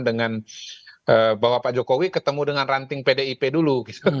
dengan bahwa pak jokowi ketemu dengan ranting pdip dulu